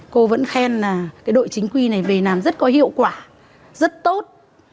cô vẫn khen là đội chính quy này về làm rất có hiệu quả rất tốt